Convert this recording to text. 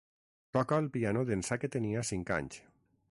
Toca el piano d'ençà que tenia cinc anys.